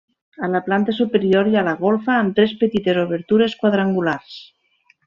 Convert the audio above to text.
A la planta superior hi ha la golfa amb tres petites obertures quadrangulars.